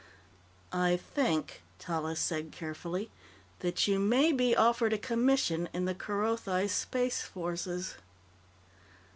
"I think," Tallis said carefully, "that you may be offered a commission in the Kerothi Space Forces."